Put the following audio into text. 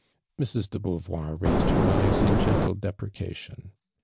"' Mrs. de Beauvoir raised her eyes in gentle deprecation.